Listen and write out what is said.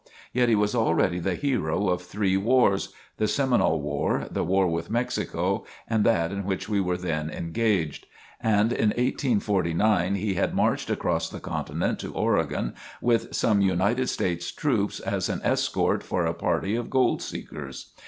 Yet he was already the hero of three wars the Seminole War, the War with Mexico and that in which we were then engaged. And in 1849 he had marched across the continent to Oregon with some United States troops as an escort for a party of gold seekers.